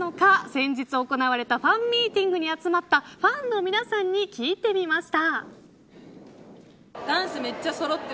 先日行われたファンミーティングに集まったファンの皆さんに聞いてみました。